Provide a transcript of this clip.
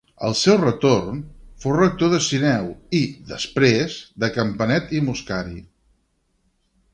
Al seu retorn, fou rector de Sineu i, després, de Campanet i Moscari.